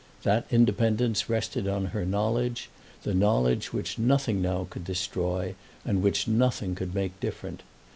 That independence rested on her knowledge, the knowledge which nothing now could destroy and which nothing could make different.